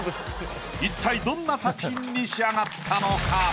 一体どんな作品に仕上がったのか？